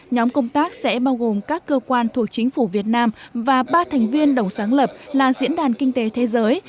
nhóm công tác sẽ bao gồm các cơ quan thuộc chính phủ việt nam và ba thành viên đồng sáng lập là diễn đàn kinh tế thế giới